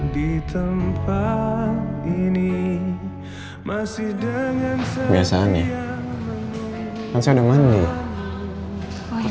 di tempat ini masih dengan biasa nih